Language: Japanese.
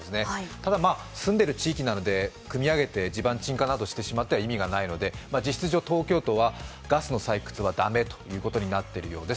ただ、住んでる地域なのでくみ上げて地盤沈下などしてしまっては意味ないので、実質上、東京都はガスの採掘は駄目ということになっています。